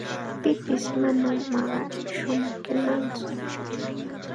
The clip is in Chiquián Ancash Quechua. Pipis manam maqashunkimantsu.